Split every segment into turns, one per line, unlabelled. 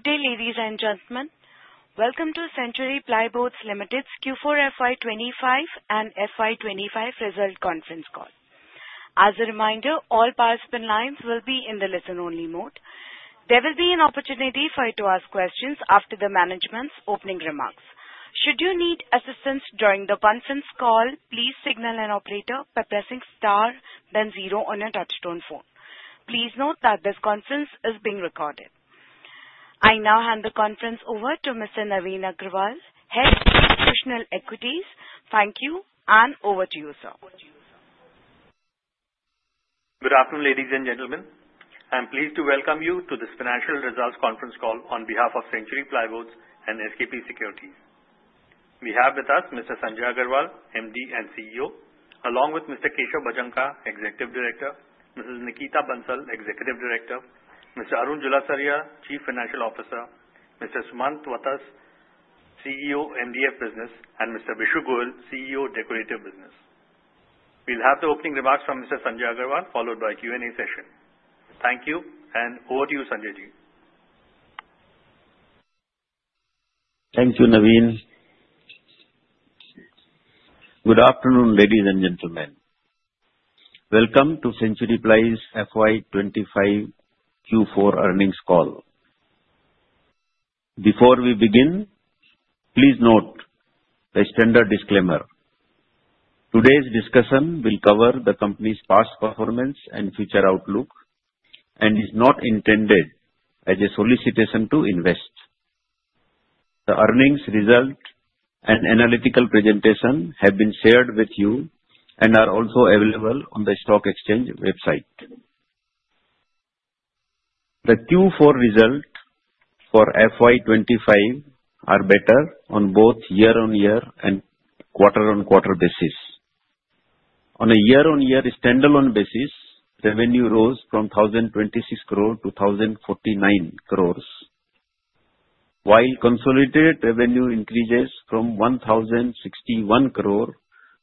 Good day, ladies and gentlemen. Welcome to Century Plyboards Limited's Q4 FY 2025 and FY 2025 Result Conference Call. As a reminder, all participant lines will be in the listen-only mode. There will be an opportunity for you to ask questions after the management's opening remarks. Should you need assistance during the conference call, please signal an operator by pressing star, then zero on your touchstone phone. Please note that this conference is being recorded. I now hand the conference over to Mr. Navin Agrawal, Head of Institutional Equities. Thank you, and over to you, sir.
Good afternoon, ladies and gentlemen. I'm pleased to welcome you to this Financial Results Conference Call on behalf of Century Plyboards and SKP Securities. We have with us Mr. Sanjay Agrawal, MD and CEO, along with Mr. Keshav Bhajanka, Executive Director; Mrs. Nikita Bansal, Executive Director; Mr. Arun Julasarya, Chief Financial Officer; Mr. Sumant Wattas, CEO, MDF Business; and Mr. Vishu Goel, CEO, Decorative Business. We'll have the opening remarks from Mr. Sanjay Agrawal, followed by a Q&A session. Thank you, and over to you, Sanjayji.
Thank you, Navin. Good afternoon, ladies and gentlemen. Welcome to Century Plyboards' FY 2025 Q4 Earnings Call. Before we begin, please note a standard disclaimer. Today's discussion will cover the company's past performance and future outlook, and is not intended as a solicitation to invest. The earnings result and analytical presentation have been shared with you and are also available on the stock exchange website. The Q4 result for FY25 are better on both year-on-year and quarter-on-quarter basis. On a year-on-year standalone basis, revenue rose from 1,026 crores to 1,049 crores, while consolidated revenue increases from 1,061 crore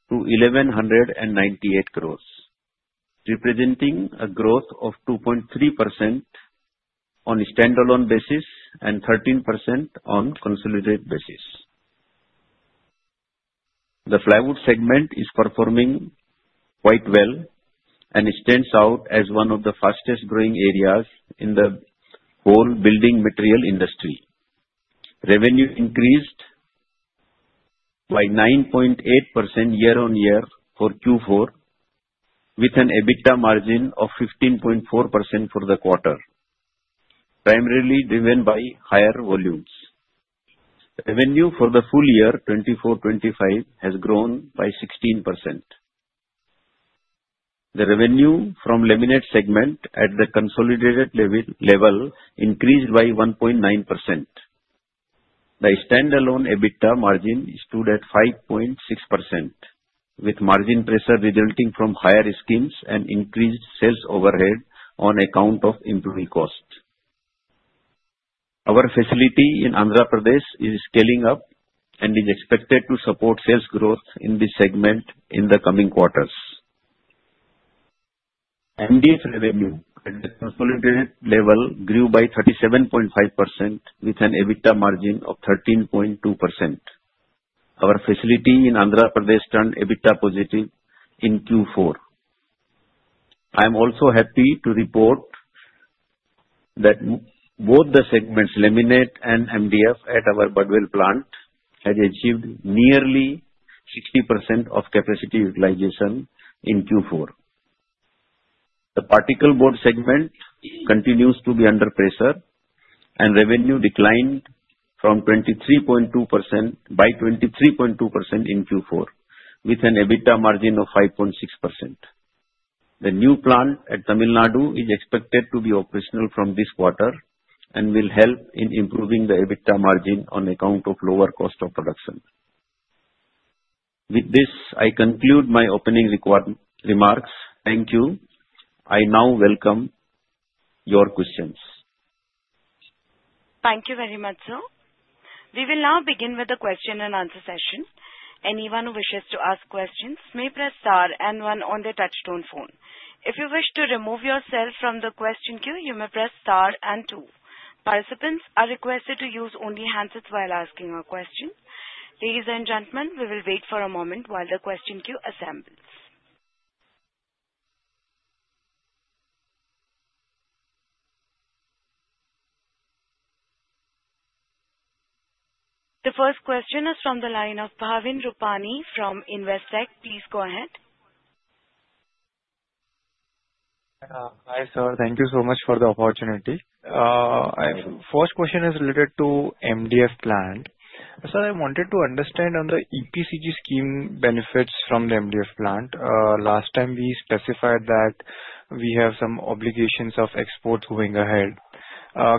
to 1,198 crores, representing a growth of 2.3% on standalone basis and 13% on consolidated basis. The plywood segment is performing quite well and stands out as one of the fastest-growing areas in the whole building material industry. Revenue increased by 9.8% year-on-year for Q4, with an EBITDA margin of 15.4% for the quarter, primarily driven by higher volumes. Revenue for the full year 2024-2025 has grown by 16%. The revenue from the laminate segment at the consolidated level increased by 1.9%. The standalone EBITDA margin stood at 5.6%, with margin pressure resulting from higher schemes and increased sales overhead on account of employee cost. Our facility in Andhra Pradesh is scaling up and is expected to support sales growth in this segment in the coming quarters. MDF revenue at the consolidated level grew by 37.5%, with an EBITDA margin of 13.2%. Our facility in Andhra Pradesh turned EBITDA positive in Q4. I am also happy to report that both the segments, laminate and MDF, at our Budni plant have achieved nearly 60% of capacity utilization in Q4. The particle board segment continues to be under pressure, and revenue declined by 23.2% in Q4, with an EBITDA margin of 5.6%. The new plant at Tamil Nadu is expected to be operational from this quarter and will help in improving the EBITDA margin on account of lower cost of production. With this, I conclude my opening remarks. Thank you. I now welcome your questions.
Thank you very much, sir. We will now begin with the question-and-answer session. Anyone who wishes to ask questions may press star and one on the touchstone phone. If you wish to remove yourself from the question queue, you may press star and two. Participants are requested to use only handsets while asking a question. Ladies and gentlemen, we will wait for a moment while the question queue assembles. The first question is from the line of Bhavin Rupani from Investec. Please go ahead.
Hi, sir. Thank you so much for the opportunity. First question is related to MDF plant. Sir, I wanted to understand on the EPCG scheme benefits from the MDF plant. Last time, we specified that we have some obligations of exports going ahead.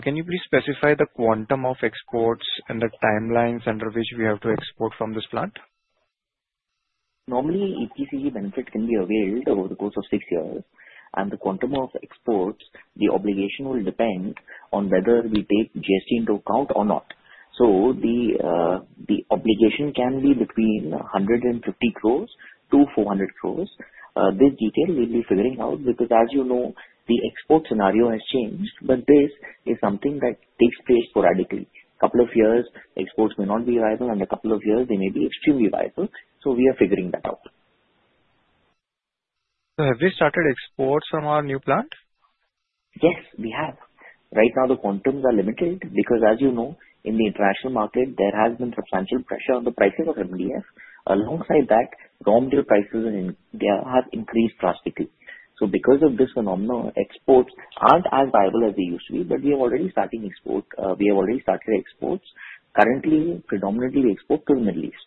Can you please specify the quantum of exports and the timelines under which we have to export from this plant?
Normally, EPCG benefits can be availed over the course of six years. The quantum of exports, the obligation will depend on whether we take GST into account or not. The obligation can be between 150 crores to 400 crores. This detail we'll be figuring out because, as you know, the export scenario has changed, but this is something that takes place sporadically. A couple of years, exports may not be viable, and a couple of years, they may be extremely viable. We are figuring that out.
Sir, have we started exports from our new plant?
Yes, we have. Right now, the quantums are limited because, as you know, in the international market, there has been substantial pressure on the prices of MDF. Alongside that, raw material prices in India have increased drastically. Because of this phenomenon, exports aren't as viable as they used to be, but we are already starting export. We have already started exports. Currently, predominantly, we export to the Middle East.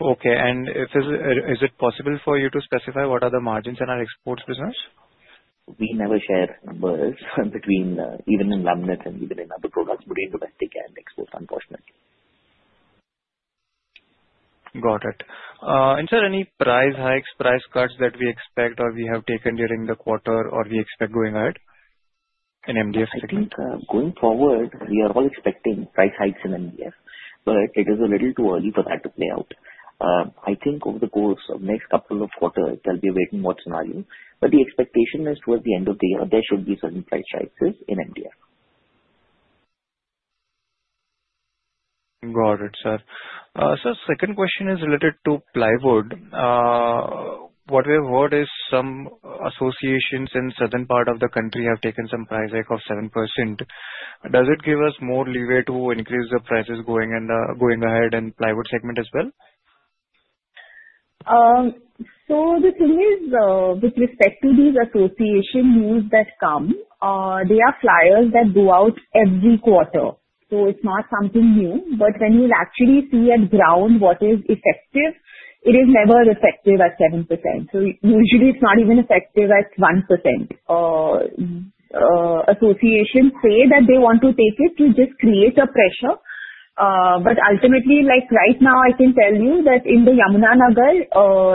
Okay. Is it possible for you to specify what are the margins in our exports business?
We never share numbers between, even in laminates and even in other products, between domestic and exports, unfortunately.
Got it. Sir, any price hikes, price cuts that we expect or we have taken during the quarter or we expect going ahead in MDF?
I think going forward, we are all expecting price hikes in MDF, but it is a little too early for that to play out. I think over the course of the next couple of quarters, there'll be a wait-and-watch scenario. The expectation is towards the end of the year, there should be certain price rises in MDF.
Got it, sir. Sir, second question is related to plywood. What we have heard is some associations in the southern part of the country have taken some price hike of 7%. Does it give us more leeway to increase the prices going ahead in the plywood segment as well?
The thing is, with respect to these association news that come, they are flyers that go out every quarter. It is not something new. When you actually see at ground what is effective, it is never effective at 7%. Usually, it is not even effective at 1%. Associations say that they want to take it to just create a pressure. Ultimately, right now, I can tell you that in Yamuna Nagar,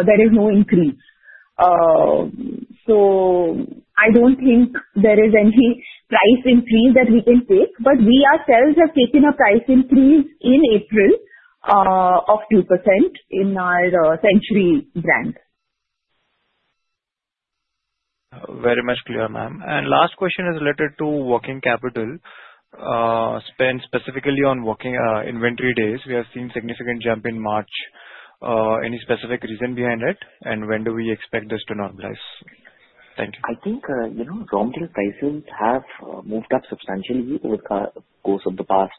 there is no increase. I do not think there is any price increase that we can take. We ourselves have taken a price increase in April of 2% in our Century brand.
Very much clear, ma'am. Last question is related to working capital spent specifically on inventory days. We have seen a significant jump in March. Any specific reason behind it, and when do we expect this to normalize? Thank you.
I think raw material prices have moved up substantially over the course of the past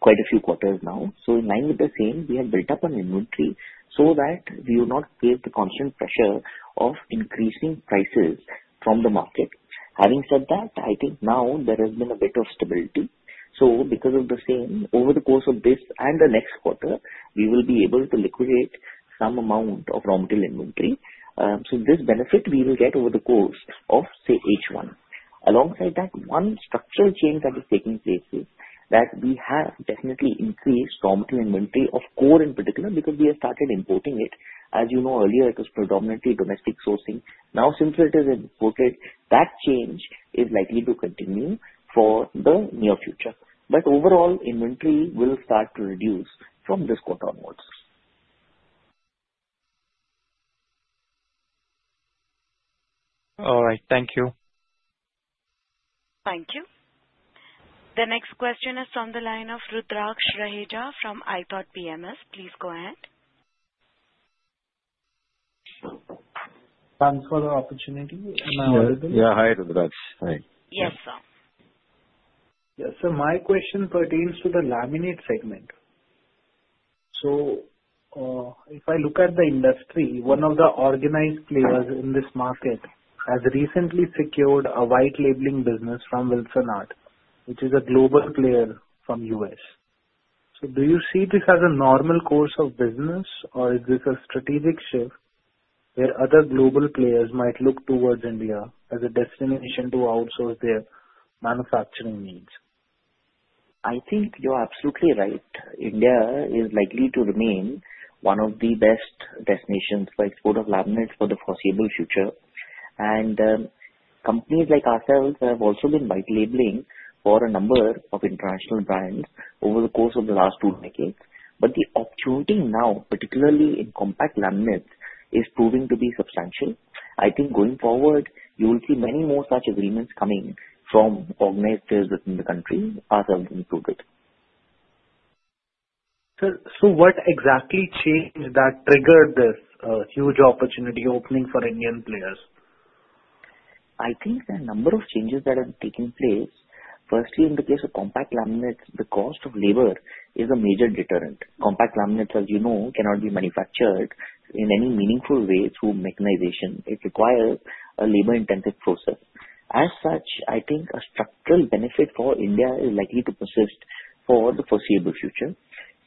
quite a few quarters now. In line with the same, we have built up an inventory so that we do not face the constant pressure of increasing prices from the market. Having said that, I think now there has been a bit of stability. Because of the same, over the course of this and the next quarter, we will be able to liquidate some amount of raw material inventory. This benefit we will get over the course of, say, H1. Alongside that, one structural change that is taking place is that we have definitely increased raw material inventory of core in particular because we have started importing it. As you know, earlier, it was predominantly domestic sourcing. Now, since it is imported, that change is likely to continue for the near future. Overall, inventory will start to reduce from this quarter onwards.
All right. Thank you.
Thank you. The next question is from the line of Rudraksh Raheja from ithoughtpms. Please go ahead.
Thanks for the opportunity. Am I audible?
Yeah. Yeah. Hi, Rudraksh. Hi.
Yes, sir.
Yes. My question pertains to the laminate segment. If I look at the industry, one of the organized players in this market has recently secured a white labeling business from Wilson Art, which is a global player from the US. Do you see this as a normal course of business, or is this a strategic shift where other global players might look towards India as a destination to outsource their manufacturing needs?
I think you're absolutely right. India is likely to remain one of the best destinations for export of laminates for the foreseeable future. Companies like ourselves have also been white labeling for a number of international brands over the course of the last two decades. The opportunity now, particularly in compact laminates, is proving to be substantial. I think going forward, you will see many more such agreements coming from organized players within the country as I've included.
What exactly changed that triggered this huge opportunity opening for Indian players?
I think the number of changes that have taken place, firstly, in the case of compact laminates, the cost of labor is a major deterrent. Compact laminates, as you know, cannot be manufactured in any meaningful way through mechanization. It requires a labor-intensive process. As such, I think a structural benefit for India is likely to persist for the foreseeable future.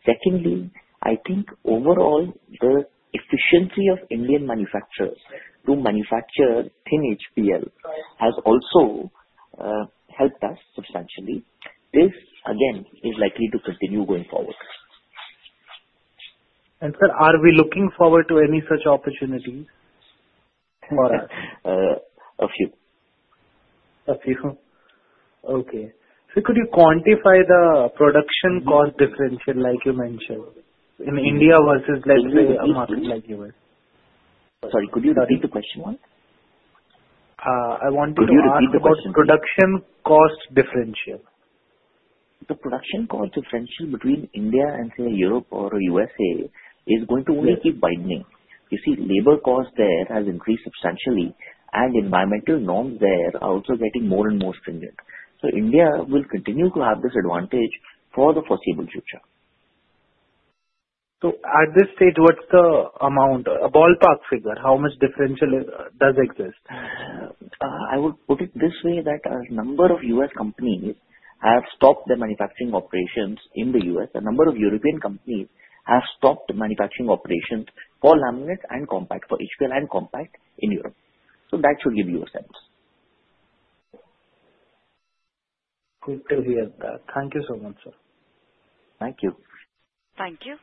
Secondly, I think overall, the efficiency of Indian manufacturers to manufacture thin HPL has also helped us substantially. This, again, is likely to continue going forward.
Sir, are we looking forward to any such opportunities?
A few.
A few. Okay. Could you quantify the production cost differential, like you mentioned, in India versus, let's say, a market like the U.S.?
Sorry. Could you repeat the question one?
I wanted to ask about production cost differential.
The production cost differential between India and, say, Europe or U.S. is going to only keep widening. You see, labor cost there has increased substantially, and environmental norms there are also getting more and more stringent. India will continue to have this advantage for the foreseeable future.
At this stage, what's the amount, a ballpark figure? How much differential does exist?
I would put it this way that a number of U.S. companies have stopped their manufacturing operations in the U.S. A number of European companies have stopped manufacturing operations for laminate and compact, for HPL and compact in Europe. That should give you a sense.
Good to hear that. Thank you so much, sir.
Thank you.
Thank you.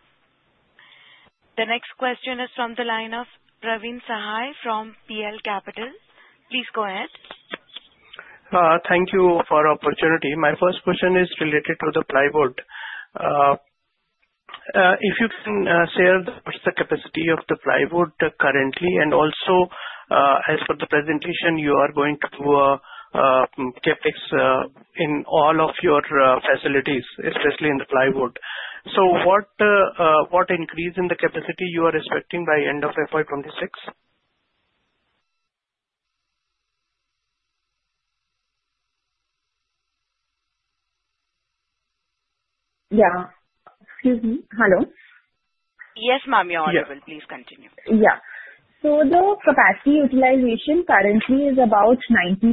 The next question is from the line of Praveen Sahay from PL Capital. Please go ahead.
Thank you for the opportunity. My first question is related to the plywood. If you can share what's the capacity of the plywood currently? Also, as per the presentation, you are going to CapEx in all of your facilities, especially in the plywood. What increase in the capacity are you expecting by end of FY2026?
Yeah. Excuse me. Hello?
Yes, ma'am. You're available. Please continue.
Yeah. The capacity utilization currently is about 90%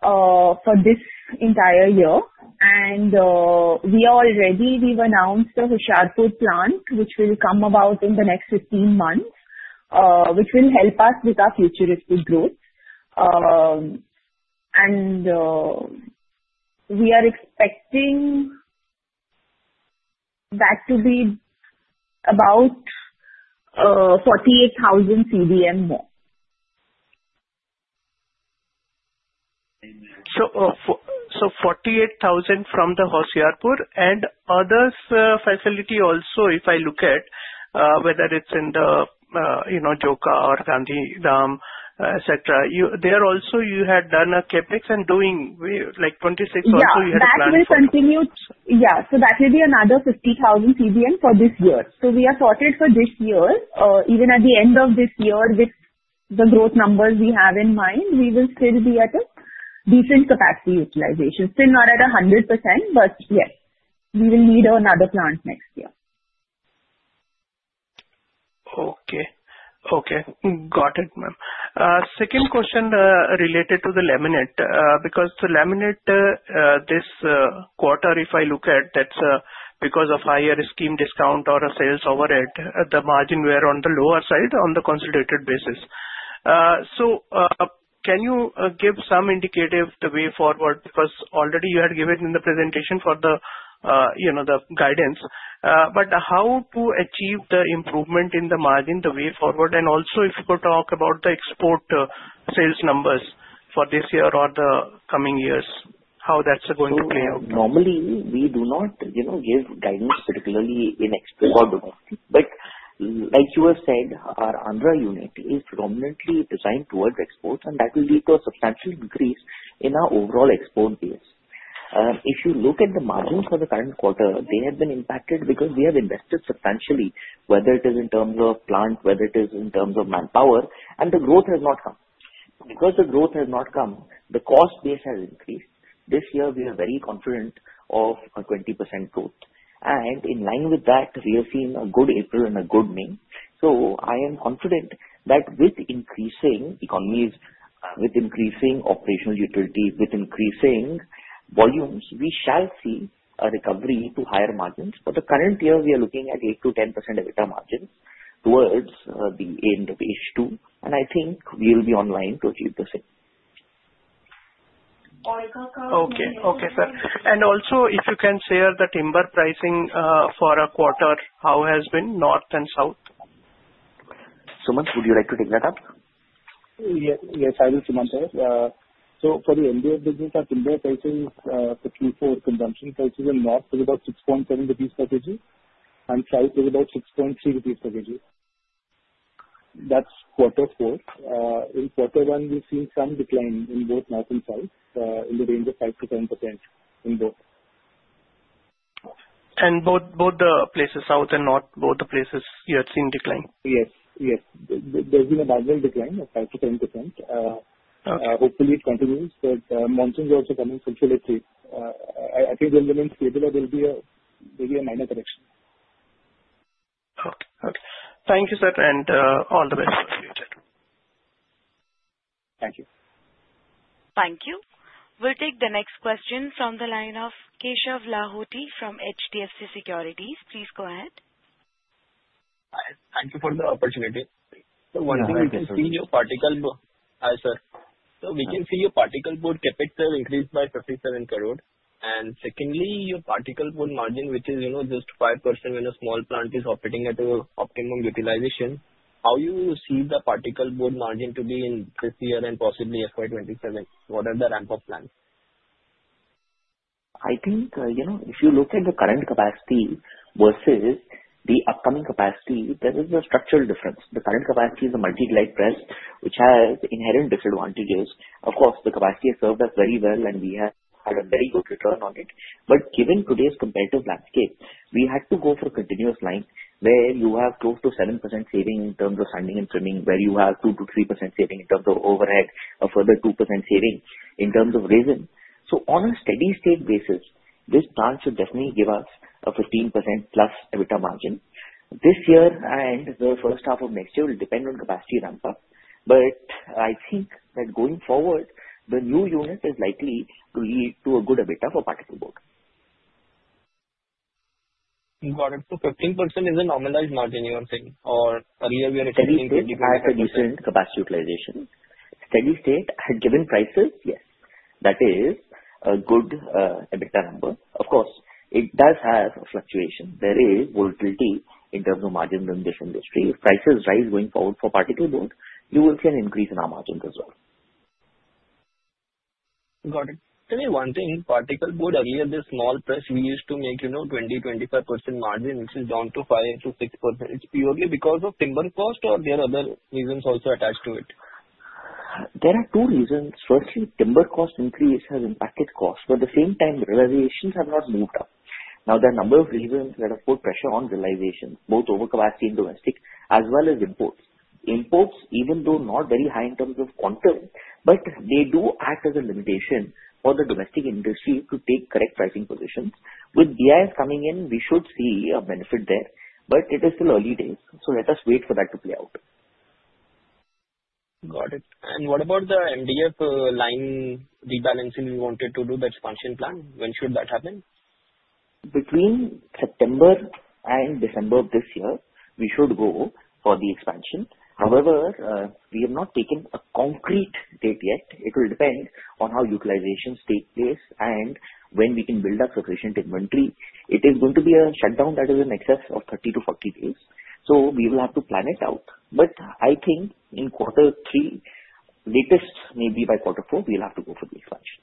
for this entire year. We have already announced the Hoshiarpur plant, which will come about in the next 15 months, which will help us with our futuristic growth. We are expecting that to be about 48,000 CBM more.
Forty-eight thousand from the Hoshiarpur and other facility also, if I look at whether it's in the Joka or Gandhidham, etc., there also you had done a CapEx and during like 2026 also you had a plan.
Yeah. That will continue, yeah. That will be another 50,000 CBM for this year. We are fortunate for this year. Even at the end of this year, with the growth numbers we have in mind, we will still be at a decent capacity utilization. Still not at 100%, but yes, we will need another plant next year.
Okay. Okay. Got it, ma'am. Second question related to the laminate, because the laminate this quarter, if I look at, that's because of higher scheme discount or a sales overhead, the margin were on the lower side on the consolidated basis. Can you give some indicative the way forward? Because already you had given in the presentation for the guidance. How to achieve the improvement in the margin the way forward? Also, if you could talk about the export sales numbers for this year or the coming years, how that's going to play out?
Normally, we do not give guidance, particularly in export. Like you have said, our Andhra unit is predominantly designed towards exports, and that will lead to a substantial increase in our overall export base. If you look at the margins for the current quarter, they have been impacted because we have invested substantially, whether it is in terms of plant, whether it is in terms of manpower, and the growth has not come. Because the growth has not come, the cost base has increased. This year, we are very confident of a 20% growth. In line with that, we have seen a good April and a good May. I am confident that with increasing economies, with increasing operational utility, with increasing volumes, we shall see a recovery to higher margins. For the current year, we are looking at 8-10% EBITDA margins towards the end of H2. I think we will be on line to achieve the same.
Okay. Okay, sir. Also, if you can share the timber pricing for a quarter, how has been north and south?
Sumant, would you like to take that up?
Yes, I will, Sumant sir. For the MDF business, our timber pricing is 54. Consumption prices in north is about 6.7 rupees per kg, and south is about 6.3 rupees per kg. That is quarter four. In quarter one, we have seen some decline in both north and south in the range of 5%-10% in both.
In both the places, south and north, both the places, you had seen decline?
Yes. Yes. There's been a gradual decline of 5%-10%. Hopefully, it continues. Monsoons are also coming centrally too. I think when the winds stabilize, there will be a minor correction.
Okay. Okay. Thank you, sir, and all the best for the future.
Thank you.
Thank you. We'll take the next question from the line of Keshav Lahoti from HDFC Securities. Please go ahead.
Thank you for the opportunity. One thing, we can see your particle board, hi, sir. We can see your particle board CapEx has increased by 57 crore. Secondly, your particle board margin, which is just 5% when a small plant is operating at an optimum utilization. How do you see the particle board margin to be in this year and possibly FY 2027? What are the ramp-up plans?
I think if you look at the current capacity versus the upcoming capacity, there is a structural difference. The current capacity is a multi-daylight press, which has inherent disadvantages. Of course, the capacity has served us very well, and we have had a very good return on it. Given today's competitive landscape, we had to go for continuous line where you have close to 7% saving in terms of sanding and trimming, where you have 2-3% saving in terms of overhead, a further 2% saving in terms of resin. On a steady-state basis, this plant should definitely give us a 15% plus EBITDA margin. This year and the first half of next year will depend on capacity ramp-up. I think that going forward, the new unit is likely to lead to a good EBITDA for particle board.
Got it. So 15% is a normalized margin, you are saying, or earlier we are expecting 20%?
Yes. I have a decent capacity utilization. Steady state. Given prices, yes. That is a good EBITDA number. Of course, it does have a fluctuation. There is volatility in terms of margin in this industry. If prices rise going forward for particle board, you will see an increase in our margins as well.
Got it. Tell me one thing. Particle board earlier, the small press, we used to make 20-25% margin, which is down to 5-6%. It's purely because of timber cost or there are other reasons also attached to it?
There are two reasons. Firstly, timber cost increase has impacted cost. At the same time, realizations have not moved up. Now, there are a number of reasons that have put pressure on realizations, both over capacity in domestic as well as imports. Imports, even though not very high in terms of quantum, do act as a limitation for the domestic industry to take correct pricing positions. With BIS coming in, we should see a benefit there. It is still early days. Let us wait for that to play out.
Got it. What about the MDF line rebalancing we wanted to do, the expansion plan? When should that happen?
Between September and December of this year, we should go for the expansion. However, we have not taken a concrete date yet. It will depend on how utilizations take place and when we can build up sufficient inventory. It is going to be a shutdown that is in excess of 30-40 days. We will have to plan it out. I think in quarter three, latest maybe by quarter four, we will have to go for the expansion.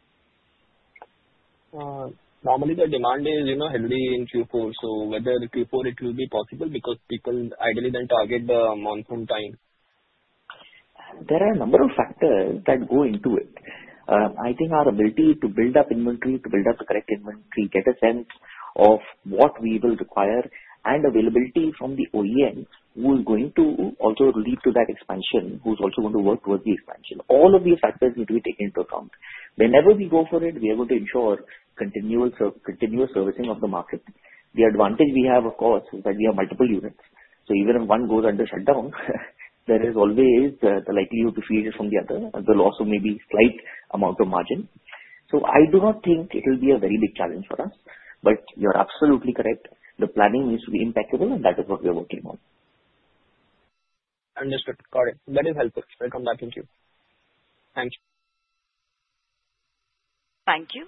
Normally, the demand is heavily in Q4. So whether Q4 it will be possible because people ideally then target the monsoon time.
There are a number of factors that go into it. I think our ability to build up inventory, to build up the correct inventory, get a sense of what we will require, and availability from the OEM who is going to also lead to that expansion, who's also going to work towards the expansion. All of these factors need to be taken into account. Whenever we go for it, we are going to ensure continuous servicing of the market. The advantage we have, of course, is that we have multiple units. Even if one goes under shutdown, there is always the likelihood to feed it from the other, the loss of maybe slight amount of margin. I do not think it will be a very big challenge for us. You're absolutely correct. The planning needs to be impeccable, and that is what we are working on.
Understood. Got it. That is helpful.
Welcome back. Thank you. Thank you.
Thank you.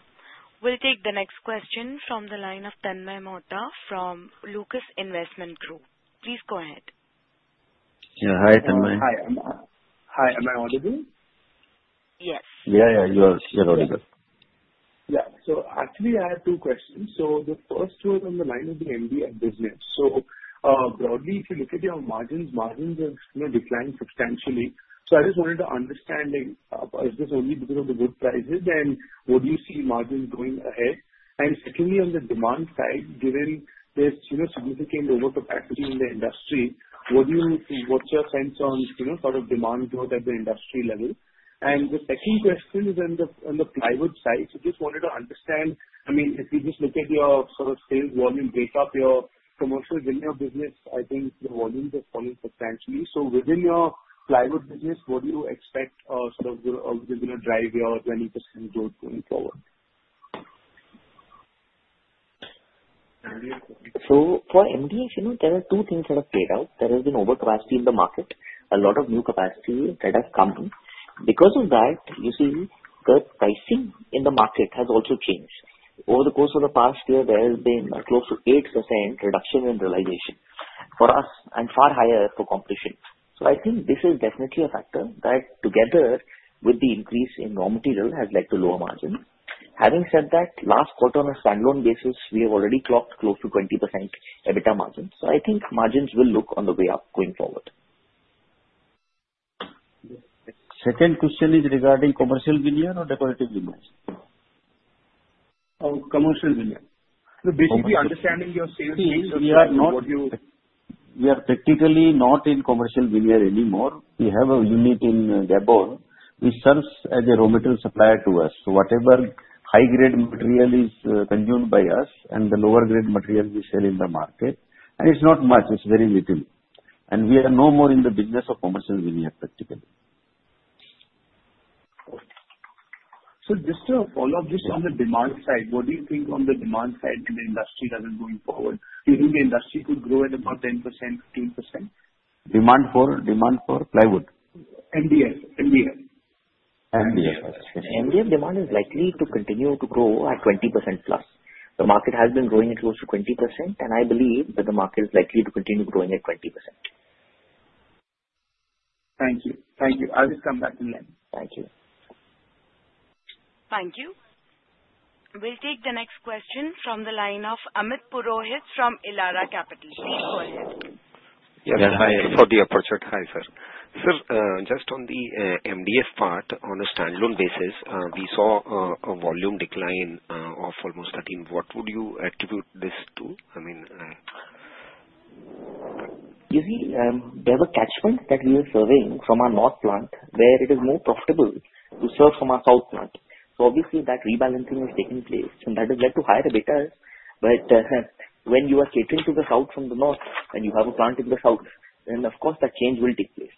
We'll take the next question from the line of Tanmaiy Mohta from Locus Investment Group. Please go ahead.
Yeah. Hi, Tanmaiy.
Hi. Am I audible?
Yes.
Yeah, yeah. You're audible.
Yeah. Actually, I have two questions. The first was on the line of the MDF business. Broadly, if you look at your margins, margins have declined substantially. I just wanted to understand, is this only because of the good prices? What do you see margins going ahead? Secondly, on the demand side, given there is significant overcapacity in the industry, what is your sense on sort of demand growth at the industry level? The second question is on the plywood side. I just wanted to understand, I mean, if you just look at your sort of sales volume based off your commercial business, I think the volumes have fallen substantially. Within your plywood business, what do you expect is going to drive your 20% growth going forward?
For MDF, there are two things that have played out. There has been overcapacity in the market, a lot of new capacity that has come. Because of that, you see the pricing in the market has also changed. Over the course of the past year, there has been close to 8% reduction in realization for us and far higher for competition. I think this is definitely a factor that together with the increase in raw material has led to lower margins. Having said that, last quarter on a standalone basis, we have already clocked close to 20% EBITDA margin. I think margins will look on the way up going forward.
Second question is regarding commercial veneer or decorative veneers? Commercial vineyard. Basically understanding your sales needs of what you.
We are practically not in commercial veneer anymore. We have a unit in Gabon which serves as a raw material supplier to us. Whatever high-grade material is consumed by us and the lower-grade material we sell in the market. It is not much. It is very little. We are no more in the business of commercial veneer practically.
Just to follow up this on the demand side, what do you think on the demand side in the industry level going forward? Do you think the industry could grow at about 10%-15%?
Demand for plywood.
MDF. MDF.
MDF.
MDF demand is likely to continue to grow at 20% plus. The market has been growing at close to 20%, and I believe that the market is likely to continue growing at 20%.
Thank you. I will come back in line.
Thank you.
Thank you. We'll take the next question from the line of Amit Purohit from Elara Capital. Please go ahead.
Yes. Hi. For the aperture. Hi, sir. Sir, just on the MDF part, on a standalone basis, we saw a volume decline of almost 13%. What would you attribute this to? I mean.
You see, there's a catchment that we are serving from our north plant where it is more profitable to serve from our south plant. Obviously, that rebalancing has taken place, and that has led to higher EBITDA. When you are catering to the south from the north and you have a plant in the south, of course that change will take place.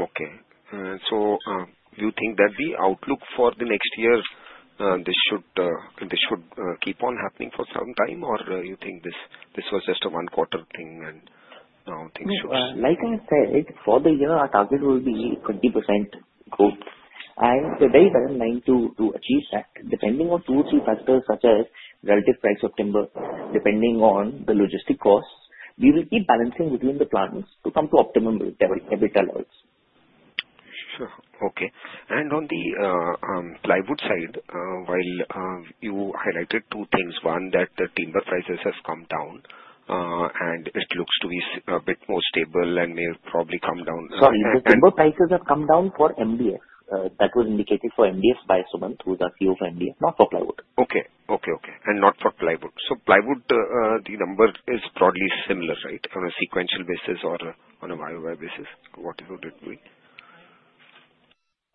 Okay. So you think that the outlook for the next year, this should keep on happening for some time, or you think this was just a one-quarter thing and now things should?
Like I said, for the year, our target will be 20% growth. We are very well aligned to achieve that. Depending on two or three factors such as relative price of timber, depending on the logistic costs, we will keep balancing between the plants to come to optimum EBITDA levels.
Sure. Okay. On the plywood side, while you highlighted two things, one, that the timber prices have come down and it looks to be a bit more stable and may have probably come down.
Sorry. The timber prices have come down for MDF. That was indicated for MDF by Sumant, who's CEO for MDF, not for plywood.
Okay. Okay. Okay. Not for plywood. So plywood, the number is probably similar, right? On a sequential basis or on a YOY basis? What is it doing?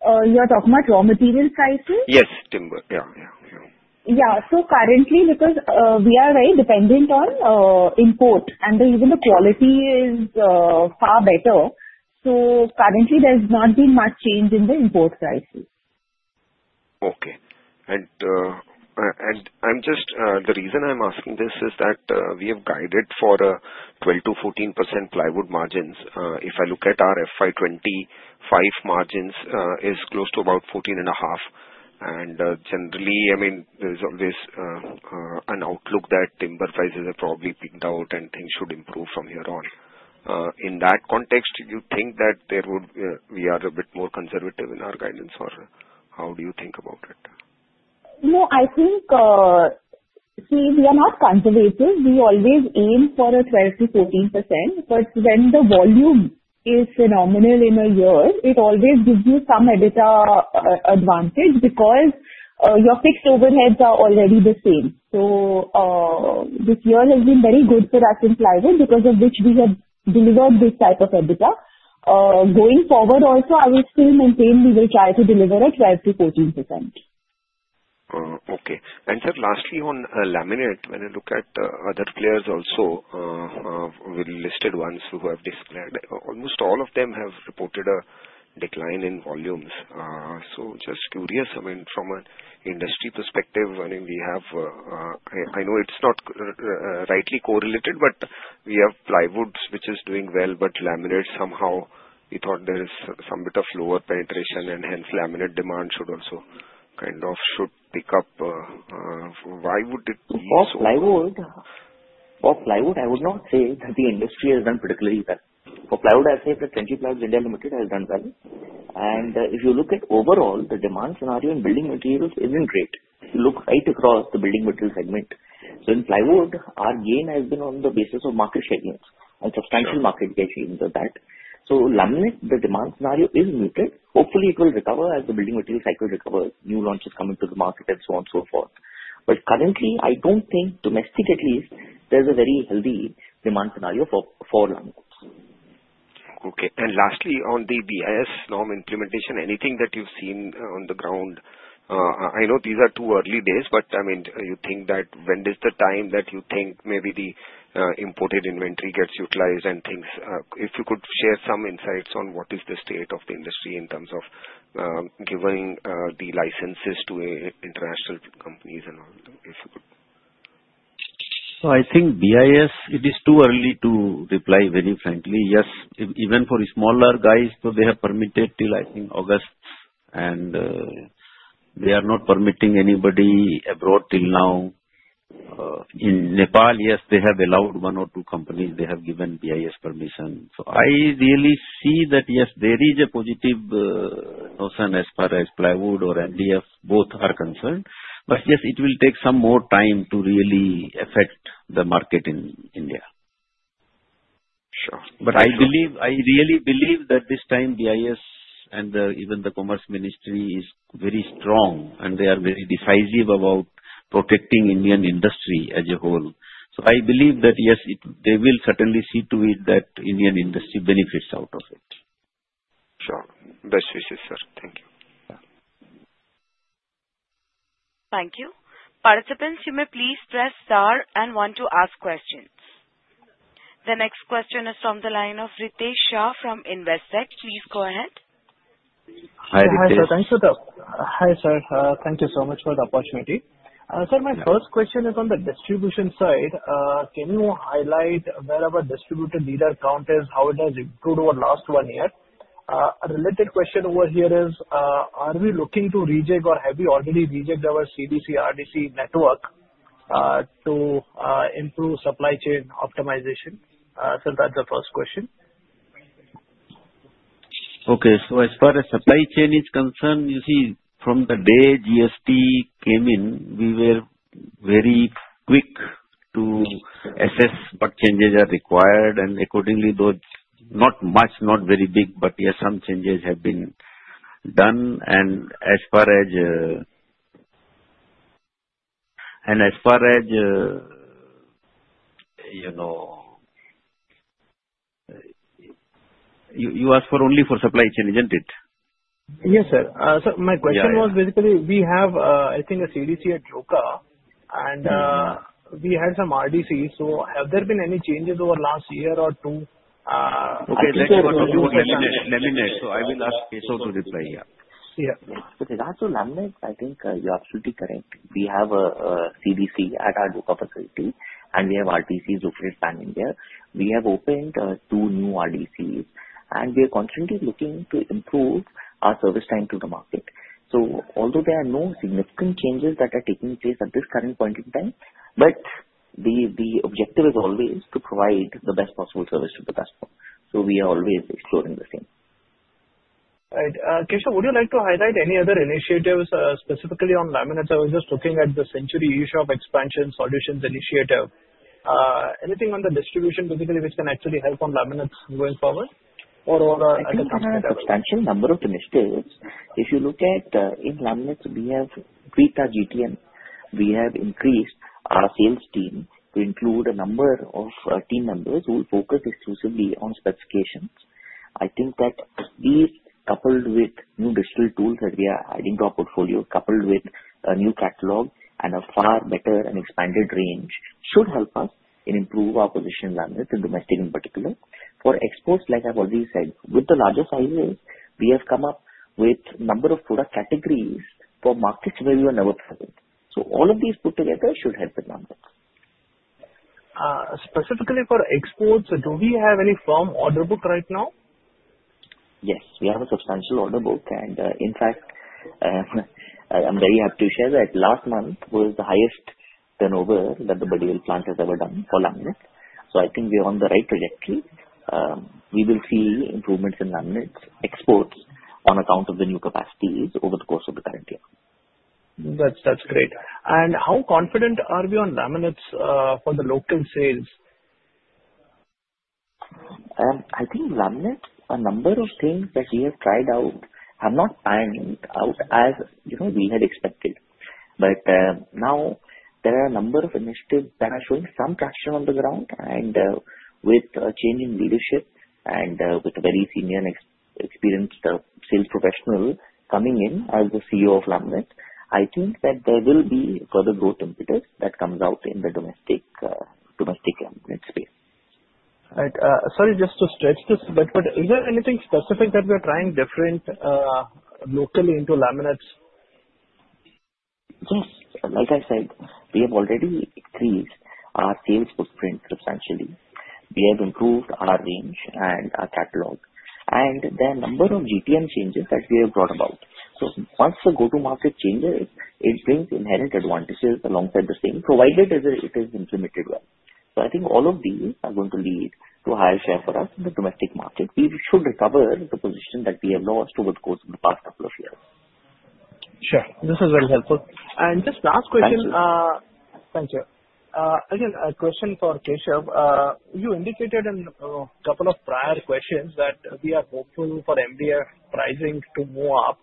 You are talking about raw material prices?
Yes. Timber. Yeah.
Yeah. Currently, because we are very dependent on import, and even the quality is far better, currently, there's not been much change in the import prices.
Okay. The reason I'm asking this is that we have guided for 12-14% plywood margins. If I look at our FY2025 margins, it's close to about 14.5%. Generally, I mean, there's always an outlook that timber prices have probably peaked out and things should improve from here on. In that context, do you think that we are a bit more conservative in our guidance, or how do you think about it?
No, I think, see, we are not conservative. We always aim for a 12-14%. When the volume is phenomenal in a year, it always gives you some EBITDA advantage because your fixed overheads are already the same. This year has been very good for us in plywood because of which we have delivered this type of EBITDA. Going forward also, I will still maintain we will try to deliver at 12-14%.
Okay. Sir, lastly, on laminate, when I look at other players also, the listed ones who have declared, almost all of them have reported a decline in volumes. Just curious, I mean, from an industry perspective, I mean, we have, I know it is not rightly correlated, but we have plywood which is doing well, but laminate somehow, we thought there is some bit of lower penetration, and hence laminate demand should also kind of pick up. Why would it be so?
For plywood, I would not say that the industry has done particularly well. For plywood, I'd say that Century Plyboards has done well. If you look at overall, the demand scenario in building materials is not great. You look right across the building material segment. In plywood, our gain has been on the basis of market share and substantial market share of that. In laminate, the demand scenario is muted. Hopefully, it will recover as the building material cycle recovers, new launches come into the market, and so on and so forth. Currently, I do not think, domestic at least, there is a very healthy demand scenario for laminates.
Okay. Lastly, on the BIS norm implementation, anything that you've seen on the ground? I know these are too early days, but I mean, you think that when is the time that you think maybe the imported inventory gets utilized and things? If you could share some insights on what is the state of the industry in terms of giving the licenses to international companies and all, if you could.
I think BIS, it is too early to reply, very frankly. Yes, even for smaller guys, they have permitted till, I think, August, and they are not permitting anybody abroad till now. In Nepal, yes, they have allowed one or two companies. They have given BIS permission. I really see that, yes, there is a positive notion as far as plywood or MDF, both are concerned. Yes, it will take some more time to really affect the market in India.
Sure.
I really believe that this time, BIS and even the Commerce Ministry is very strong, and they are very decisive about protecting Indian industry as a whole. I believe that, yes, they will certainly see to it that Indian industry benefits out of it.
Sure. Best wishes, sir. Thank you.
Thank you. Participants, you may please press star and one to ask questions. The next question is from the line of Ritesh Shah from Investec. Please go ahead.
Hi, Ritesh.
Hi, sir. Thank you so much for the opportunity. Sir, my first question is on the distribution side. Can you highlight where our distributor leader count is, how it has improved over the last one year? A related question over here is, are we looking to rejig or have we already rejigged our CDC RDC network to improve supply chain optimization? That is the first question.
Okay. As far as supply chain is concerned, you see, from the day GST came in, we were very quick to assess what changes are required. Accordingly, though not much, not very big, but yes, some changes have been done. As far as you asked, only for supply chain, isn't it?
Yes, sir. My question was basically, we have, I think, a CDC at Joka, and we had some RDC. Have there been any changes over the last year or two? Okay. Let's talk about laminate. I will ask Keshav Bajanka to reply. Yeah.
Yeah. With regard to laminate, I think you're absolutely correct. We have a CDC at our Joka facility, and we have RDCs located in India. We have opened two new RDCs, and we are constantly looking to improve our service time to the market. Although there are no significant changes that are taking place at this current point in time, the objective is always to provide the best possible service to the customer. We are always exploring the same.
Right. Keshav, would you like to highlight any other initiatives specifically on laminates? I was just looking at the Century EU Shop Expansion Solutions Initiative. Anything on the distribution basically which can actually help on laminates going forward or other things?
Expansion, number of initiatives. If you look at in laminates, we have greater GTM. We have increased our sales team to include a number of team members who will focus exclusively on specifications. I think that these, coupled with new digital tools that we are adding to our portfolio, coupled with a new catalog and a far better and expanded range, should help us in improving our position in laminates and domestic in particular. For exports, like I've already said, with the larger sizes, we have come up with a number of product categories for markets where we were never present. All of these put together should help with laminates.
Specifically for exports, do we have any firm order book right now?
Yes. We have a substantial order book. In fact, I'm very happy to share that last month was the highest turnover that the Budni plant has ever done for laminate. I think we are on the right trajectory. We will see improvements in laminates exports on account of the new capacities over the course of the current year.
That's great. How confident are we on laminates for the local sales?
I think laminates, a number of things that we have tried out have not panned out as we had expected. There are a number of initiatives that are showing some traction on the ground. With a change in leadership and with a very senior and experienced sales professional coming in as the CEO of laminates, I think that there will be further growth impetus that comes out in the domestic laminate space.
Right. Sorry, just to stretch this a bit, but is there anything specific that we are trying different locally into laminates?
Yes. Like I said, we have already increased our sales footprint substantially. We have improved our range and our catalog. There are a number of GTM changes that we have brought about. Once the go-to-market changes, it brings inherent advantages alongside the same, provided it is implemented well. I think all of these are going to lead to a higher share for us in the domestic market. We should recover the position that we have lost over the course of the past couple of years.
Sure. This is very helpful. Just last question. Thank you. Thank you. Again, a question for Keshav. You indicated in a couple of prior questions that we are hopeful for MDF pricing to move up,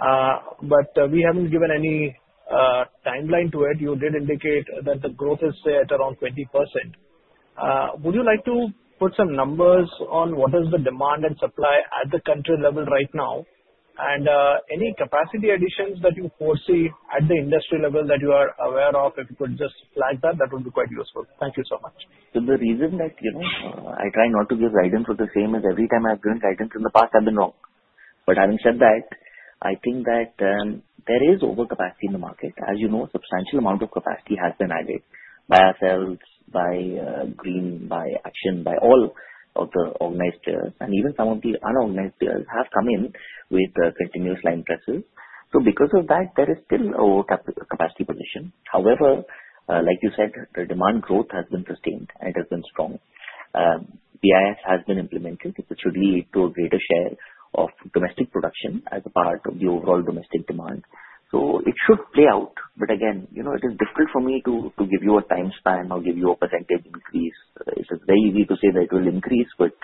but we have not given any timeline to it. You did indicate that the growth is at around 20%. Would you like to put some numbers on what is the demand and supply at the country level right now? Any capacity additions that you foresee at the industry level that you are aware of? If you could just flag that, that would be quite useful. Thank you so much.
The reason that I try not to give guidance is the same as every time I've given guidance in the past, I've been wrong. Having said that, I think that there is overcapacity in the market. As you know, a substantial amount of capacity has been added by ourselves, by Green, by Action, by all of the organized tiers. Even some of the unorganized tiers have come in with continuous line presses. Because of that, there is still a capacity position. However, like you said, the demand growth has been sustained and it has been strong. BIS has been implemented. It should lead to a greater share of domestic production as a part of the overall domestic demand. It should play out. Again, it is difficult for me to give you a time span or give you a percentage increase. It is very easy to say that it will increase, but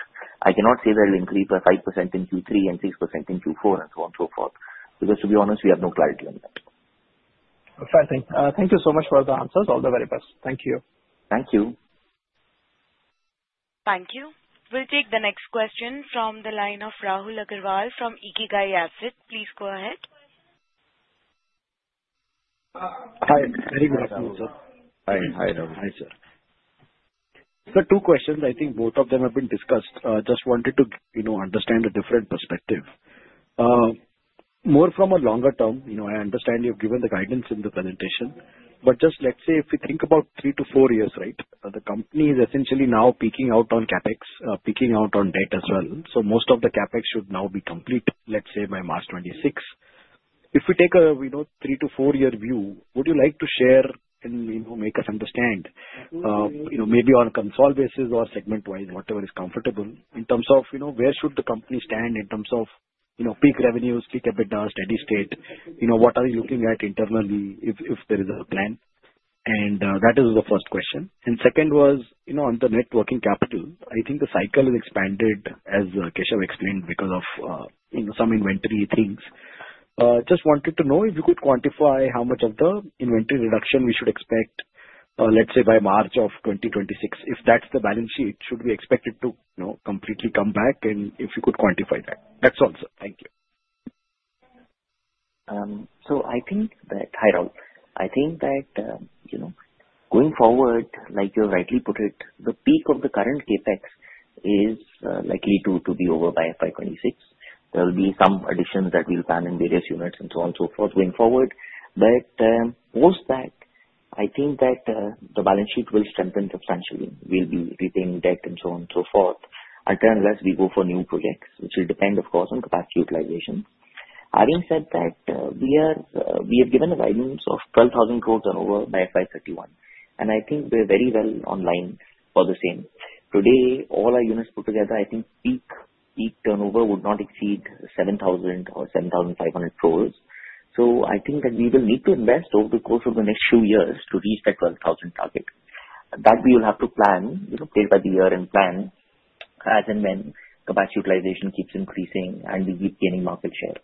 I cannot say that it will increase by 5% in Q3 and 6% in Q4 and so on and so forth. Because to be honest, we have no clarity on that.
Fantastic. Thank you so much for the answers. All the very best. Thank you.
Thank you.
Thank you. We'll take the next question from the line of Rahul Agarwal from IKIGAI Asset. Please go ahead.
Hi. Very good afternoon, sir.
Hi. Hi, Rahul.
Hi, sir. Sir, two questions. I think both of them have been discussed. Just wanted to understand a different perspective. More from a longer term, I understand you've given the guidance in the presentation. Just let's say, if we think about three to four years, right, the company is essentially now peaking out on CapEx, peaking out on debt as well. Most of the CapEx should now be complete, let's say, by March 2026. If we take a three to four-year view, would you like to share and make us understand, maybe on a consol basis or segment-wise, whatever is comfortable, in terms of where should the company stand in terms of peak revenues, peak EBITDA, steady state? What are you looking at internally if there is a plan? That is the first question. Second was, on the net working capital, I think the cycle has expanded, as Keshav explained, because of some inventory things. Just wanted to know if you could quantify how much of the inventory reduction we should expect, let's say, by March of 2026, if that's the balance sheet, should we expect it to completely come back? If you could quantify that. That's all, sir. Thank you.
I think that, hi Rahul, I think that going forward, like you rightly put it, the peak of the current CapEx is likely to be over by FY 2026. There will be some additions that we will plan in various units and so on and so forth going forward. However, post that, I think that the balance sheet will strengthen substantially. We will be retaining debt and so on and so forth unless we go for new projects, which will depend, of course, on capacity utilization. Having said that, we have given a guidance of 12,000 crore turnover by FY 2031. I think we are very well on line for the same. Today, all our units put together, I think peak turnover would not exceed 7,000-7,500 crore. I think that we will need to invest over the course of the next few years to reach that 12,000 crore target. That we will have to plan, play by the year and plan as and when capacity utilization keeps increasing and we keep gaining market share.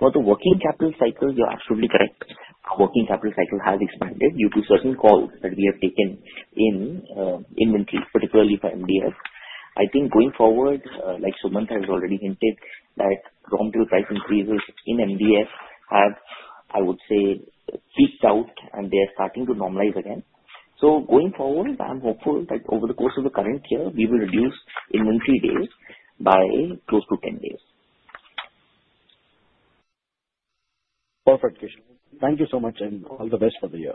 For the working capital cycle, you're absolutely correct. Our working capital cycle has expanded due to certain calls that we have taken in inventory, particularly for MDF. I think going forward, like Sumanth has already hinted, that raw deal price increases in MDF have, I would say, peaked out, and they are starting to normalize again. Going forward, I'm hopeful that over the course of the current year, we will reduce inventory days by close to 10 days.
Perfect, Keshav. Thank you so much, and all the best for the year.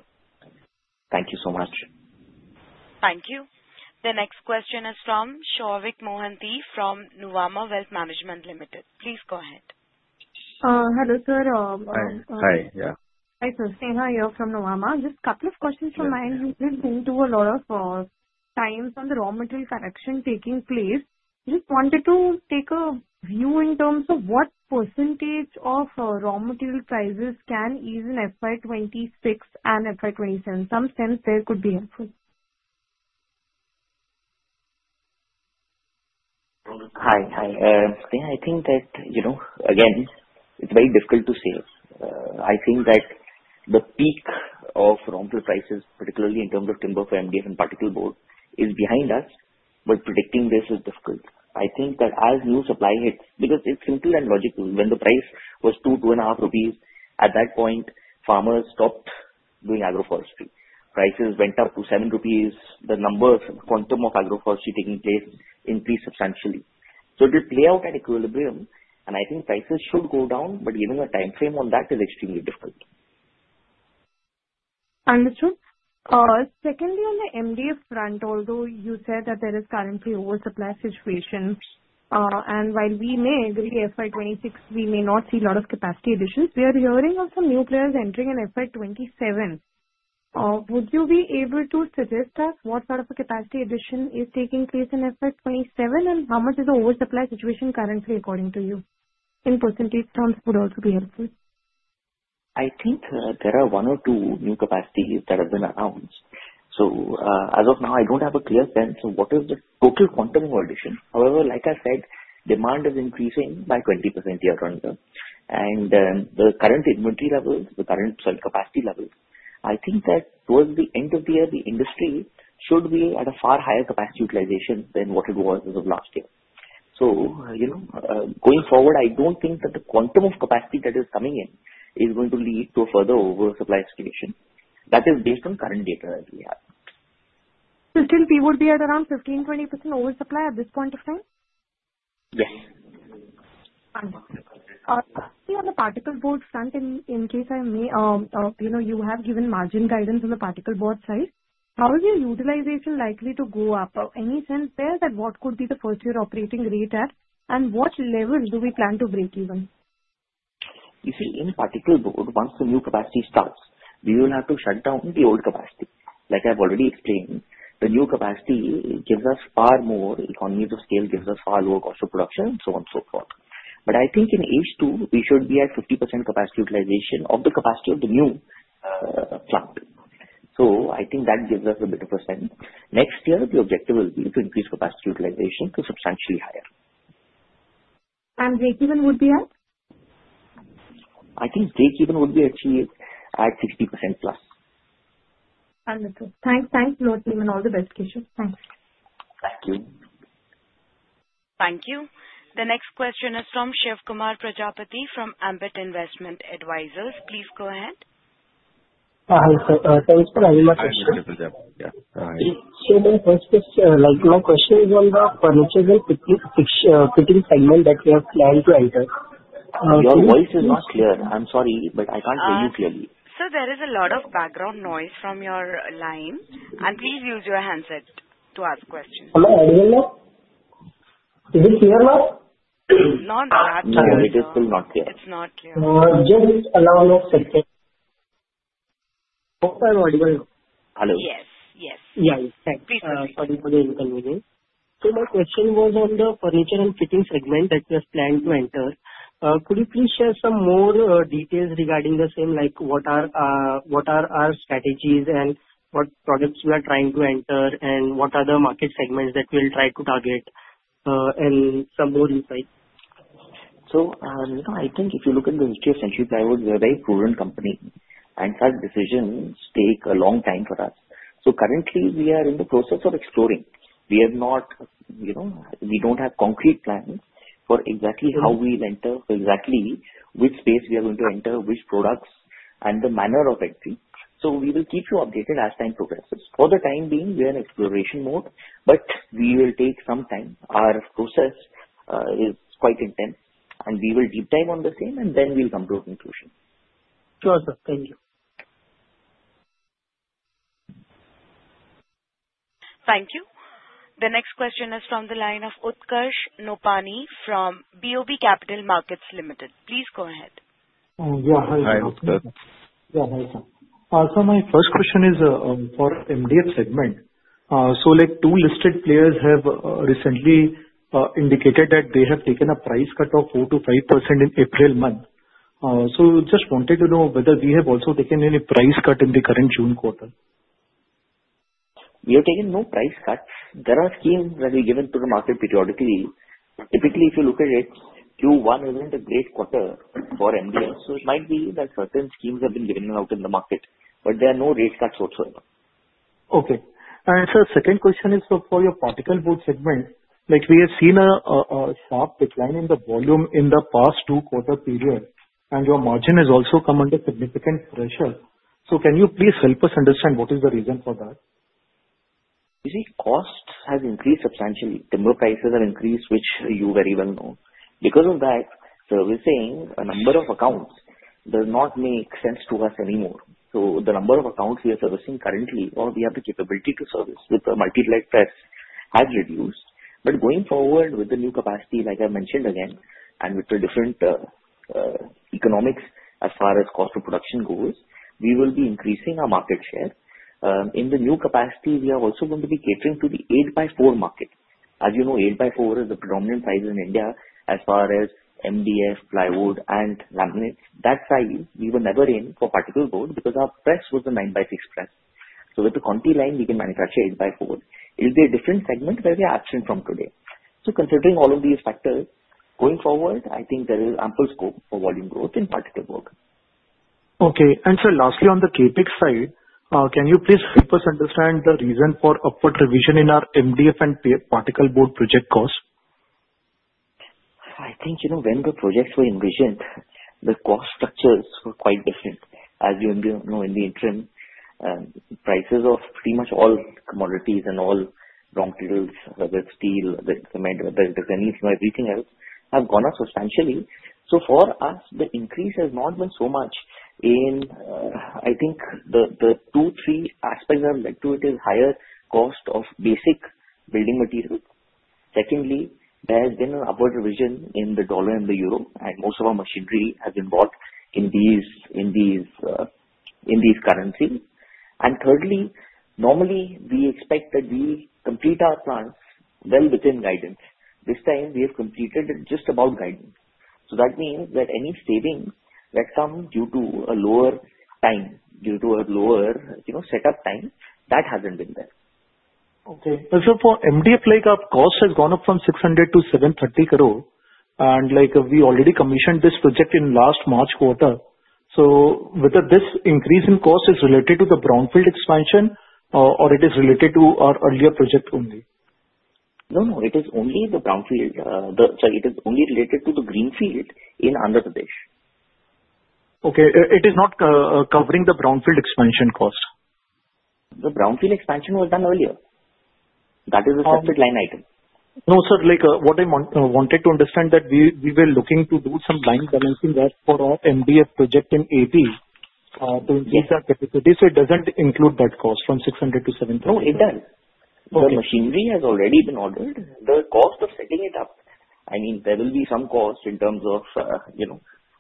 Thank you so much.
Thank you. The next question is from Souvik Mohanty from Nuvama Wealth Management Limited. Please go ahead.
Hello, sir.
Hi. Yeah.
Hi, sir. Same here. You're from Nuwama. Just a couple of questions from my end. We've been seeing a lot of times on the raw material collection taking place. Just wanted to take a view in terms of what % of raw material prices can ease in FY2026 and FY2027. Some sense there could be helpful.
Hi. I think that, again, it's very difficult to say. I think that the peak of raw material prices, particularly in terms of timber for MDF and particle board, is behind us, but predicting this is difficult. I think that as new supply hits because it's simple and logical. When the price was 2-2.5 rupees, at that point, farmers stopped doing agroforestry. Prices went up to 7 rupees. The quantum of agroforestry taking place increased substantially. It will play out at equilibrium, and I think prices should go down, but giving a timeframe on that is extremely difficult.
Understood. Secondly, on the MDF front, although you said that there is currently an oversupply situation, and while we may agree FY 2026, we may not see a lot of capacity additions, we are hearing of some new players entering in FY 2027. Would you be able to suggest to us what sort of a capacity addition is taking place in FY 2027, and how much is the oversupply situation currently according to you? In % terms would also be helpful.
I think there are one or two new capacities that have been announced. As of now, I don't have a clear sense of what is the total quantum of addition. However, like I said, demand is increasing by 20% year on year. The current inventory levels, the current capacity levels, I think that towards the end of the year, the industry should be at a far higher capacity utilization than what it was as of last year. Going forward, I don't think that the quantum of capacity that is coming in is going to lead to a further oversupply situation. That is based on current data that we have.
So still, we would be at around 15-20% oversupply at this point of time?
Yes.
On the particle board front, in case I may, you have given margin guidance on the particle board side. How is your utilization likely to go up? Any sense there that what could be the first-year operating rate at, and what level do we plan to break even?
You see, in particle board, once the new capacity starts, we will have to shut down the old capacity. Like I've already explained, the new capacity gives us far more economies of scale, gives us far lower cost of production, and so on and so forth. I think in H2, we should be at 50% capacity utilization of the capacity of the new plant. I think that gives us a bit of a sense. Next year, the objective will be to increase capacity utilization to substantially higher.
Break-even would be at?
I think break-even would be achieved at 60% plus.
Understood. Thanks. Thanks, Rahul team, and all the best, Keshav. Thanks.
Thank you.
Thank you. The next question is from Shivkumar Prajapati from Ambit Investment Advisors. Please go ahead.
Hi, sir. Thanks for having my question.
Hi, Shivkumar Prajapati. Yeah. Hi.
My question is on the furniture and fitting segment that we have planned to enter.
Your voice is not clear. I'm sorry, but I can't hear you clearly.
Sir, there is a lot of background noise from your line. Please use your handset to ask questions.
Am I audible now? Is it clear now?
No, not clear. It is still not clear. It's not clear.
Just allow me a second. Hello?
Yes. Yes.
Yeah. Thanks. [Audio over lappinng]
Please continue.
Sorry for the inconvenience. My question was on the furniture and fitting segment that we have planned to enter. Could you please share some more details regarding the same, like what are our strategies and what products we are trying to enter, and what are the market segments that we'll try to target, and some more insight?
I think if you look at the history of Century Plyboards, we are a very prudent company. Such decisions take a long time for us. Currently, we are in the process of exploring. We do not have concrete plans for exactly how we will enter, exactly which space we are going to enter, which products, and the manner of entry. We will keep you updated as time progresses. For the time being, we are in exploration mode, but we will take some time. Our process is quite intense, and we will deep dive on the same, and then we will come to a conclusion.
Sure, sir. Thank you.
Thank you. The next question is from the line of Utkarsh Nopany from BOB Capital Markets Limited. Please go ahead.
Yeah. Hi.
Hi, Utkarsh.
Yeah. Hi, sir. My first question is for the MDF segment. Two listed players have recently indicated that they have taken a price cut of 4-5% in April month. I just wanted to know whether we have also taken any price cut in the current June quarter.
We have taken no price cuts. There are schemes that we give into the market periodically. Typically, if you look at it, Q1 is not a great quarter for MDF. It might be that certain schemes have been given out in the market, but there are no rate cuts whatsoever.
Okay. Sir, second question is for your particle board segment. We have seen a sharp decline in the volume in the past two-quarter period, and your margin has also come under significant pressure. Can you please help us understand what is the reason for that?
You see, cost has increased substantially. Timber prices have increased, which you very well know. Because of that, servicing a number of accounts does not make sense to us anymore. The number of accounts we are servicing currently, or we have the capability to service with the multiplex press, has reduced. Going forward with the new capacity, like I have mentioned again, and with the different economics as far as cost of production goes, we will be increasing our market share. In the new capacity, we are also going to be catering to the 8x4 market. As you know, 8x4 is the predominant size in India as far as MDF, plywood, and laminates. That size, we were never in for particle board because our press was a 9x6 press. With the quantity line, we can manufacture 8x4. It will be a different segment where we are absent from today. Considering all of these factors, going forward, I think there is ample scope for volume growth in particle board.
Okay. Sir, lastly, on the CapEx side, can you please help us understand the reason for upward revision in our MDF and particle board project costs?
I think when the projects were envisioned, the cost structures were quite different. As you know, in the interim, prices of pretty much all commodities and all raw materials, whether it's steel, cement, whether it's anything else, have gone up substantially. For us, the increase has not been so much in, I think, the two, three aspects that led to it are higher cost of basic building materials. Secondly, there has been an upward revision in the dollar and the euro, and most of our machinery has been bought in these currencies. Thirdly, normally, we expect that we complete our plants well within guidance. This time, we have completed it just above guidance. That means that any savings that come due to a lower time, due to a lower setup time, that hasn't been there.
Okay. Sir, for MDF, cost has gone up from 600 crore to 730 crore. We already commissioned this project in the last March quarter. Is this increase in cost related to the brownfield expansion, or is it related to our earlier project only?
No, no. It is only the brownfield. Sorry, it is only related to the greenfield in Andhra Pradesh.
Okay. It is not covering the brownfield expansion cost?
The brownfield expansion was done earlier. That is the separate line item.
No, sir. What I wanted to understand is that we were looking to do some line dimension work for our MDF project in Andhra Pradesh to increase our capacity. So it does not include that cost from 600 crore to 730 crore?
No, it doesn't. The machinery has already been ordered. The cost of setting it up, I mean, there will be some cost in terms of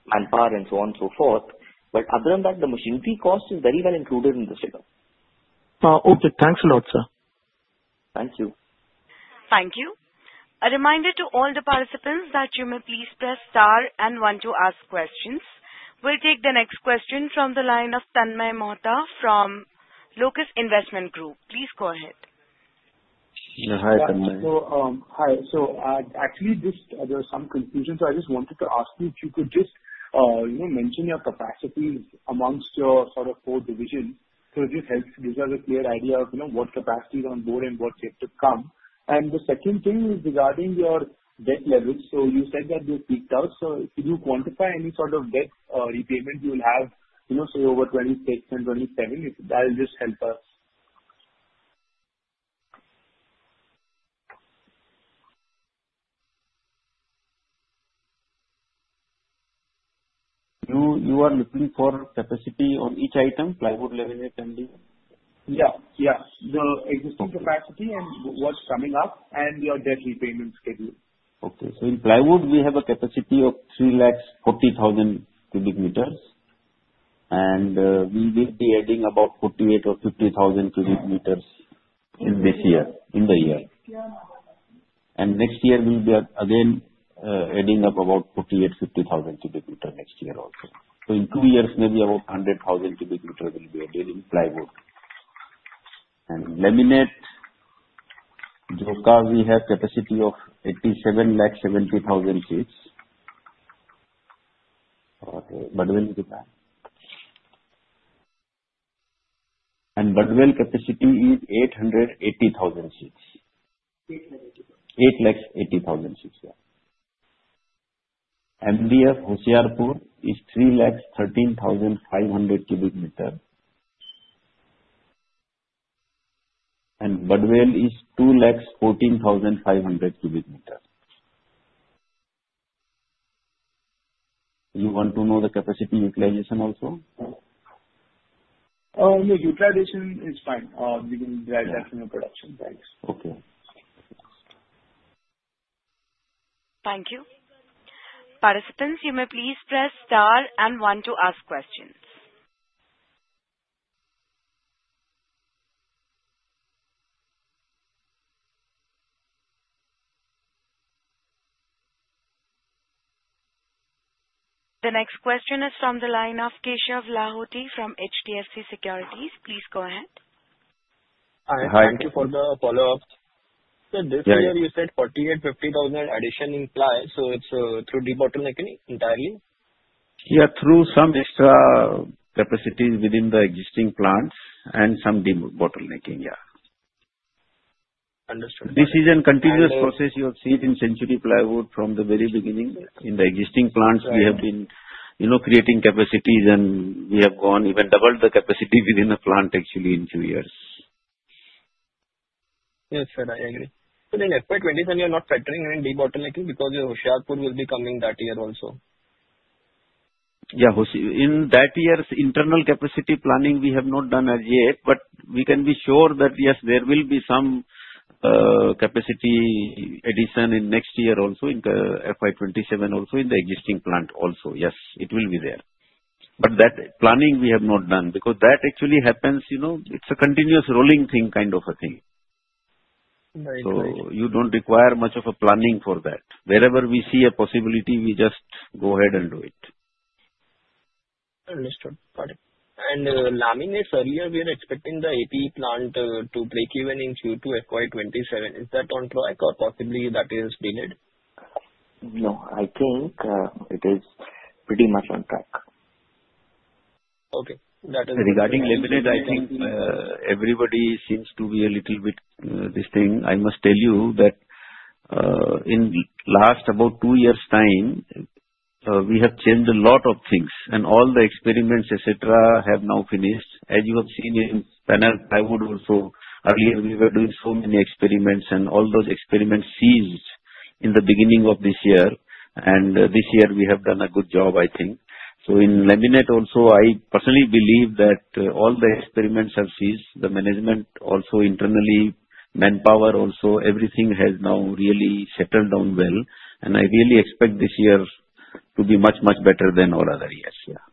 manpower and so on and so forth. Other than that, the machinery cost is very well included in the setup.
Okay. Thanks a lot, sir.
Thank you.
Thank you. A reminder to all the participants that you may please press star and one to ask questions. We'll take the next question from the line of Tanmaiy Mohta from Locus Investment Group. Please go ahead.
Hi, Tanmaiy.
Hi. Actually, there was some confusion. I just wanted to ask you if you could mention your capacities amongst your four divisions so it helps give us a clear idea of what capacity is on board and what is yet to come. The second thing is regarding your debt levels. You said that they are peaked out. If you quantify any debt repayment you will have, say, over 2026 and 2027, that will help us.
You are looking for capacity on each item. Plywood level is pending?
Yeah. Yeah. The existing capacity and what's coming up, and your debt repayment schedule.
Okay. So in plywood, we have a capacity of 340,000 cubic meters, and we will be adding about 48,000 or 50,000 cubic meters in the year. Next year, we'll be again adding up about 48,000-50,000 cubic meters next year also. In two years, maybe about 100,000 cubic meters will be added in plywood. In laminate, Joka, we have capacity of 87,000, 70,000 sheets. Okay. Budni, you can ask. Budni capacity is 880,000 sheets. 880,000 sheets, yeah. MDF, Hoshiarpur, is 313,500 cubic meters. Budni is 214,500 cubic meters. You want to know the capacity utilization also?
No, utilization is fine. We can derive that from the production price.
Okay.
Thank you. Participants, you may please press star and one to ask questions. The next question is from the line of Keshav Lahoti from HDFC Securities. Please go ahead.
Hi.
Hi.
Thank you for the follow-up. This year, you said 48,000-50,000 addition in ply. It is through de-bottlenecking entirely?
Yeah. Through some extra capacity within the existing plants and some de-bottlenecking, yeah.
Understood.
This is a continuous process. You have seen it in Century Plyboards from the very beginning. In the existing plants, we have been creating capacities, and we have gone even doubled the capacity within the plant, actually, in two years.
Yes, sir. I agree.
In FY27, you're not factoring in de-bottlenecking because Hoshiarpur will be coming that year also? Yeah. In that year, internal capacity planning we have not done as yet, but we can be sure that, yes, there will be some capacity addition in next year also, in FY27 also, in the existing plant also. Yes, it will be there. That planning we have not done because that actually happens. It's a continuous rolling thing, kind of a thing.
Very good.
You do not require much of a planning for that. Wherever we see a possibility, we just go ahead and do it.
Understood. Got it. Laminates, earlier, we were expecting the AP plant to break even in Q2 FY2027. Is that on track, or possibly that is delayed?
No. I think it is pretty much on track.
Okay. That is good.
Regarding laminates, I think everybody seems to be a little bit this thing. I must tell you that in the last about two years' time, we have changed a lot of things, and all the experiments, etc., have now finished. As you have seen in panel plywood also, earlier, we were doing so many experiments, and all those experiments ceased in the beginning of this year. This year, we have done a good job, I think. In laminate also, I personally believe that all the experiments have ceased. The management also internally, manpower also, everything has now really settled down well. I really expect this year to be much, much better than all other years. Yeah.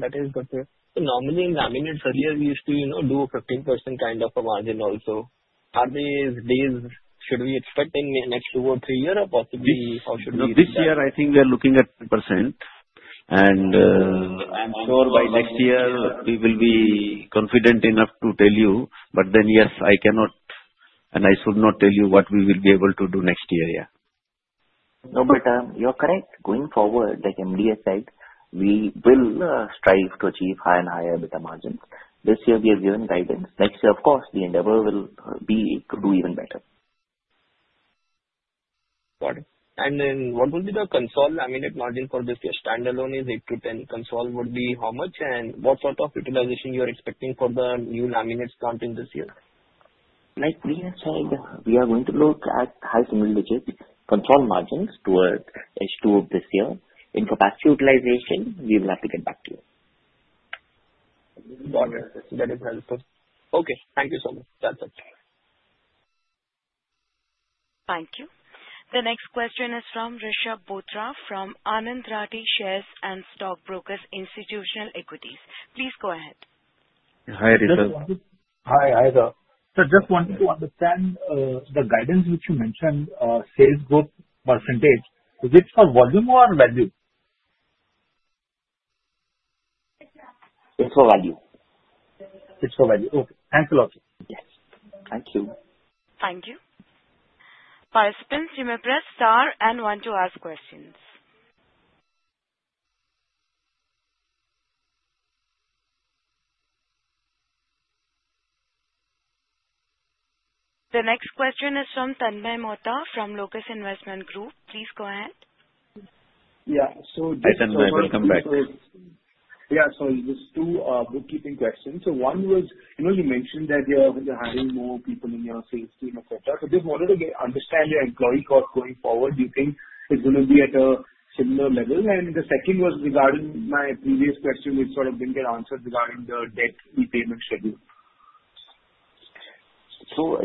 That is good. Normally, in laminates, earlier, we used to do a 15% kind of a margin also. Are these days should we expect in the next two or three years, or possibly how should we expect?
No. This year, I think we are looking at 10%. I'm sure by next year, we will be confident enough to tell you. Yes, I cannot and I should not tell you what we will be able to do next year. Yeah.
No. You're correct. Going forward, MDF side, we will strive to achieve higher and higher EBITDA margins. This year, we have given guidance. Next year, of course, the endeavor will be to do even better.
Got it. What will be the consolidated margin for this year? Standalone is 8-10%. Console would be how much? What sort of utilization are you expecting for the new laminates plant in this year?
Like we have said, we are going to look at high, similarly console margins toward H2O this year. In capacity utilization, we will have to get back to you.
Got it. That is helpful. Okay. Thank you so much. That's it.
Thank you. The next question is from Rishab Bothra from Anand Rathi Shares and Stock Brokers Institutional Equities. Please go ahead.
Hi, Rishabh.
Hi. Hi, sir. Just wanted to understand the guidance which you mentioned, sales growth percentage. Is it for volume or value?
It's for value.
It's for value. Okay. Thanks a lot, sir.
Yes. Thank you.
Thank you. Participants, you may press star and one to ask questions. The next question is from Tanmaiy Mohta from Locus Investment Group. Please go ahead.
Yeah. So this is.
Hi, Tanmay. Welcome back.
Yeah. Just two bookkeeping questions. One was you mentioned that you're hiring more people in your sales team, etc. Just wanted to understand your employee cost going forward. Do you think it's going to be at a similar level? The second was regarding my previous question. It's sort of been answered regarding the debt repayment schedule.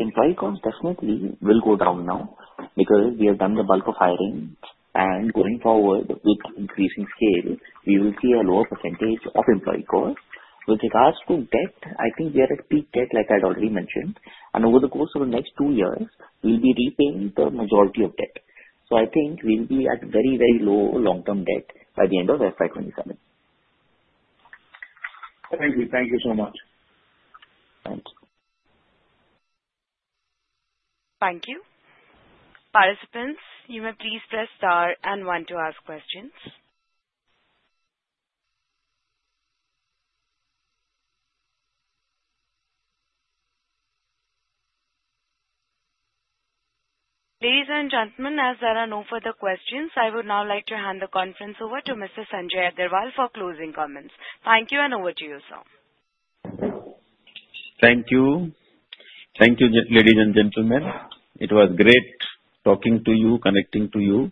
Employee cost definitely will go down now because we have done the bulk of hiring. Going forward, with increasing scale, we will see a lower percentage of employee cost. With regards to debt, I think we are at peak debt, like I had already mentioned. Over the course of the next two years, we will be repaying the majority of debt. I think we will be at very, very low long-term debt by the end of fiscal year 2027.
Thank you. Thank you so much.
Thanks.
Thank you. Participants, you may please press star and one to ask questions. Ladies and gentlemen, as there are no further questions, I would now like to hand the conference over to Mr. Sanjay Agrawal for closing comments. Thank you, and over to you, sir.
Thank you. Thank you, ladies and gentlemen. It was great talking to you, connecting to you.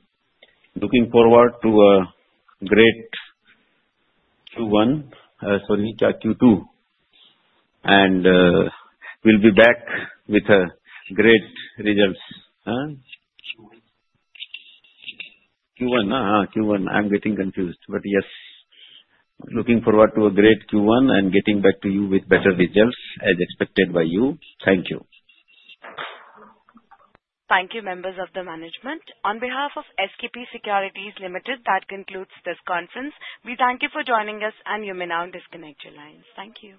Looking forward to a great Q1, sorry, Q2. We will be back with great results. Q1, huh? Q1. I'm getting confused. But yes, looking forward to a great Q1 and getting back to you with better results as expected by you. Thank you.
Thank you, members of the management. On behalf of SKP Securities, that concludes this conference. We thank you for joining us, and you may now disconnect your lines. Thank you.